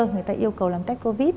người ta yêu cầu làm test covid